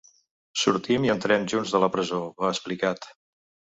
Sortim i entrem junts de la presó, ha explicat.